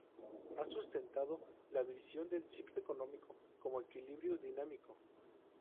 Ha sustentado la visión del ciclo económico como equilibrio dinámico.